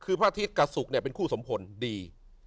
๑คือพระอาทิตย์กับสุกเป็นคู่สมพลดี